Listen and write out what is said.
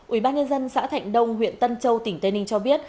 ủy ban nhân dân xã thạnh đông huyện tân châu tỉnh tây ninh cho biết